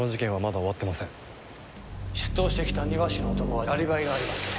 出頭してきた庭師の男はアリバイがありまして。